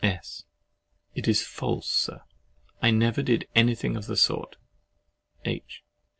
S. It is false, Sir, I never did anything of the sort. H.